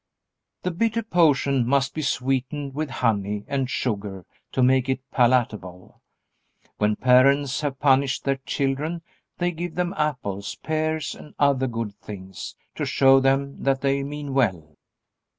The bitter potion must be sweetened with honey and sugar to make it palatable. When parents have punished their children they give them apples, pears, and other good things to show them that they mean well.